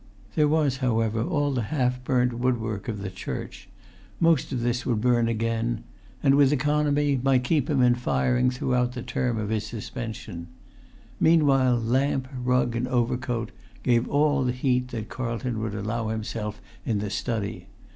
There was, however, all the half burnt woodwork of the church; most of this would burn again; and, with economy, might keep him in firing throughout the term of his suspension. Meanwhile, lamp, rug, and overcoat gave all the heat that Carlton would allow himself in the study.